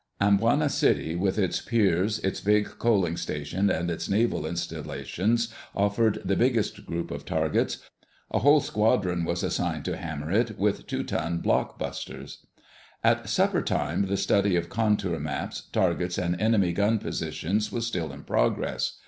Amboina City, with its piers, its big coaling station and its naval installations, offered the biggest group of targets. A whole squadron was assigned to hammer it with two ton block busters. At supper time the study of contour maps, targets and enemy gun positions was still in progress.